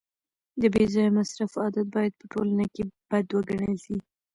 د بې ځایه مصرف عادت باید په ټولنه کي بد وګڼل سي.